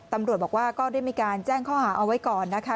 ตำรวจบอกว่าก็ได้มีการแจ้งข้อหาเอาไว้ก่อนนะคะ